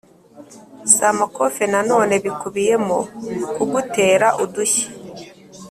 si amakofe Nanone bikubiyemo kugutera udushyi